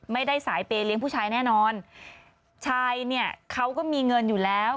ไม่ได้สายเปย์เลี้ยงผู้ชายแน่นอนชายเนี่ยเขาก็มีเงินอยู่แล้ว